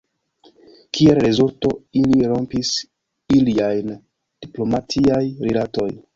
Kiel rezulto, ili rompis iliajn diplomatiaj rilatoj.